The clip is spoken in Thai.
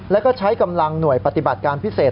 แล้วก็ใช้กำลังหน่วยปฏิบัติการพิเศษ